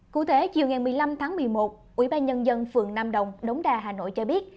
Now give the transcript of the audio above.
cụ thể chiều ngày một mươi năm tháng một mươi một ubnd phường nam đồng đống đa hà nội cho biết